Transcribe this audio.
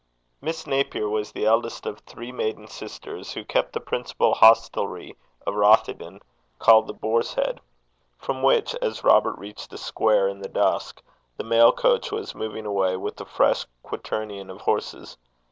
Miss Napier was the eldest of three maiden sisters who kept the principal hostelry of Rothieden, called The Boar's Head; from which, as Robert reached the square in the dusk, the mail coach was moving away with a fresh quaternion of horses.